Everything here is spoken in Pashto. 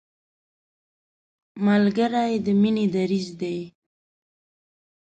ملګری د مینې دریځ دی